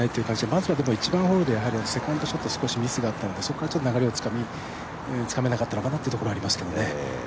まずは１番ホールでセカンドショット、少しミスがあったので、そこからちょっと流れをつかめなかったのかなっていうところはありましたね。